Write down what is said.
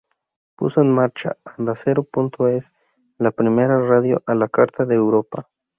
Puso en marcha "ondacero.es", la primera radio a la carta de Europa.